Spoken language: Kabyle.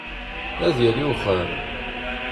Ad yali wexxam!